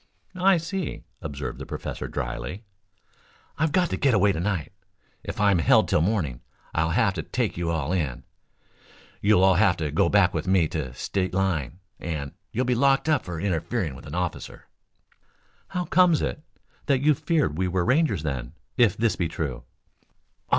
"I see," observed the professor dryly. "I've got to get away to night. If I'm held till morning I'll have to take you all in. You'll all have to go back with me to State Line and you'll be locked up for interfering with an officer." "How comes it that you feared we were Rangers then, if this be true?"